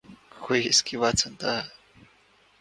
کوئی اس کی بات سنتا ہے۔